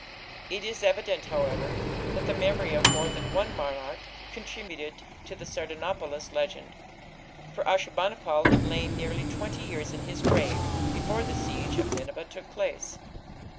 It is evident, however, that the memory of more than one monarch contributed to the Sardanapalus legend, for Ashur bani pal had lain nearly twenty years in his grave before the siege of Nineveh took place.